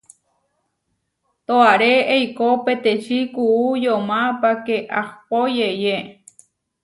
Toaré eikó peteči kuú yomá páke ahpó yeʼyé.